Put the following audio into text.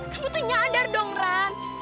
kamu tuh nyadar dong run